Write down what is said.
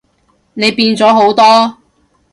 你變咗好多